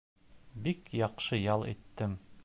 Бик яҡшы ял иттем.